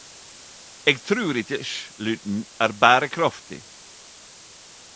Eg trur ikkje sj-lyden er bærekraftig.